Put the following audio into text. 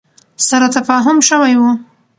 سره تفاهم شوی ؤ